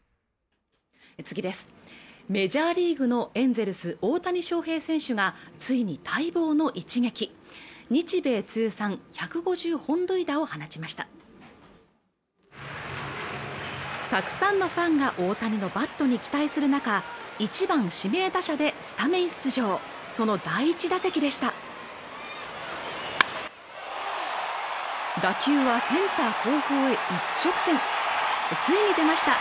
メジャーリーグのエンゼルス大谷翔平選手がついに待望の一撃日米通算１５０本塁打を放ちましたたくさんのファンが大谷のバットに期待する中１番指名打者でスタメン出場その第１打席でした打球はセンター後方へ一直線ついに出ました